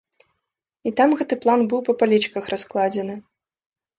І там гэты план быў па палічках раскладзены.